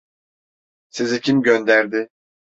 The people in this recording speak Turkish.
Sizi kim gönderdi?